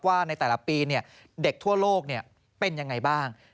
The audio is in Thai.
ในแต่ละปีเด็กทั่วโลกเป็นยังไงบ้าง